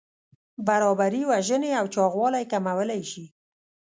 برابري وژنې او چاغوالی کمولی شي.